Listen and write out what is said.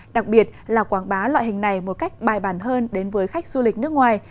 đặc biệt là quảng bá loại hình này một cách bài bản hơn đến với khách du lịch nước ngoài